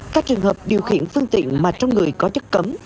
các trường hợp điều khiển phương tiện mà trong người có chất cấm